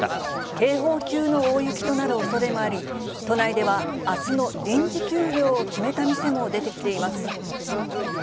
警報級の大雪となるおそれもあり、都内では、あすの臨時休業を決めた店も出てきています。